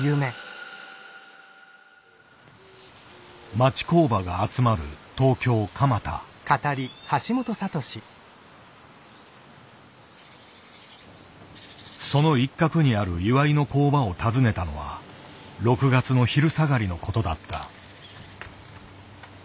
町工場が集まるその一角にある岩井の工場を訪ねたのは６月の昼下がりのことだった。